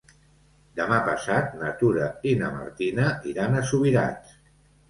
Demà passat na Tura i na Martina iran a Subirats.